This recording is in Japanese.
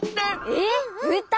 えっ？うた？